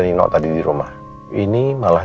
nino tadi di rumah ini malah